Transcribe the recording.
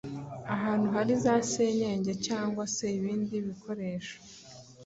ahantu hari za senyenge cyangwa se ibindi bikoresho